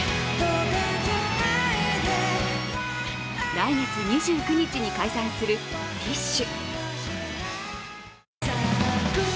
来月２９日に解散するＢｉＳＨ。